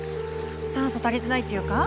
酸素足りてないっていうか。